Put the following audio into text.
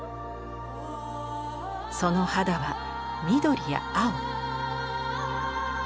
その肌は緑や青。